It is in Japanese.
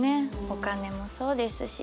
お金もそうですし